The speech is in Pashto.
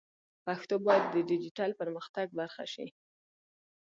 پښتو باید د ډیجیټل پرمختګ برخه شي.